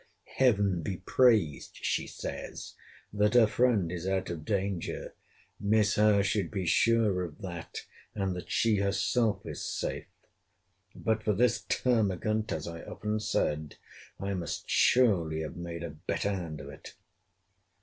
heaven be praised, she says, that her friend is out of danger—Miss Howe should be sure of that, and that she herself is safe.—But for this termagant, (as I often said,) I must surely have made a better hand of it.